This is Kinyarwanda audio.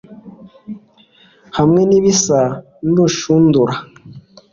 hamwe n ibisa n urushundura